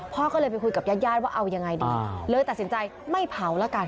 พ่อก็เลยไปคุยกับญาติญาติว่าเอายังไงดีเลยตัดสินใจไม่เผาแล้วกัน